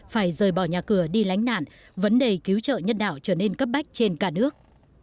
phải rời bỏ nhà cửa đi lánh nạn vấn đề cứu trợ nhân đạo trở nên cấp bách trên cả nước